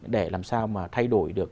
để làm sao mà thay đổi được